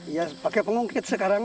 iya pakai pengungkit sekarang